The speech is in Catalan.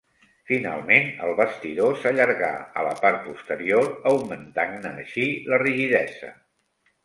Finalment, el bastidor s'allargà a la part posterior augmentant-ne així la rigidesa.